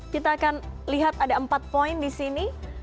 kita akan lihat ada empat poin di sini